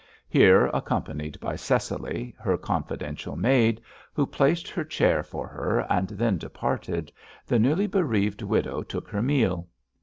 Here, accompanied by Cecily, her confidential maid, who placed her chair for her and then departed, the newly bereaved widow took her meal.